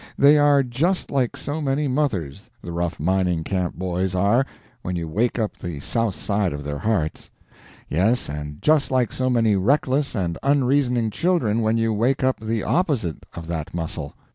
They are just like so many mothers, the rough mining camp boys are, when you wake up the south side of their hearts; yes, and just like so many reckless and unreasoning children when you wake up the opposite of that muscle.